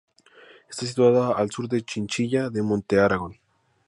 Está situada al sur de Chinchilla de Montearagón.